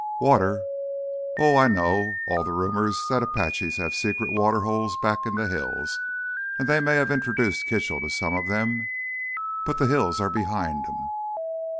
"Water. Oh, I know all the rumors that the Apaches have secret water holes back in the hills, and they may have introduced Kitchell to some of them. But the hills are behind him.